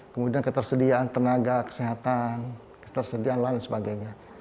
kemudian ketersediaan tenaga kesehatan ketersediaan lainnya dan sebagainya